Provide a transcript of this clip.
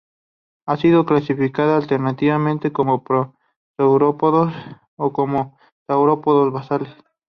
Ha sido clasificada alternativamente como prosaurópodos o como saurópodos basales.